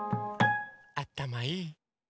あたまいい！